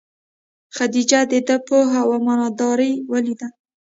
خدیجې دده پوهه او امانت داري ولیده.